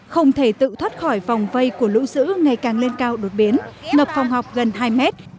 không thể tự thoát khỏi vòng vây của lũ dữ ngày càng lên cao đột biến ngập phòng học gần hai mét